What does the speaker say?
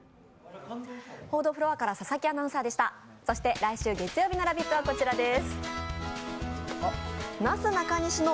来週月曜日の「ラヴィット！」はこちらです。